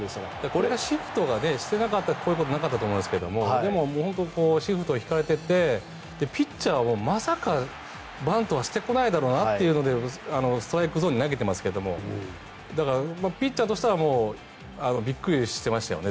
これがシフトしていなかったらこういうことはなかったと思うんですが本当にシフトを敷かれていてピッチャーもまさかバントはしてこないだろうなっていうのでストライクゾーンに投げていますがだから、ピッチャーとしてはびっくりしてましたよね